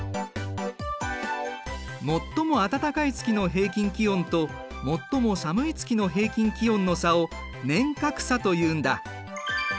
最も暖かい月の平均気温と最も寒い月の平均気温の差を年較差というんだ。